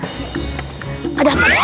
gak ada apaan disana